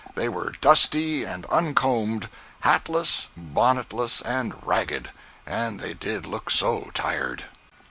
They were dusty and uncombed, hatless, bonnetless and ragged, and they did look so tired!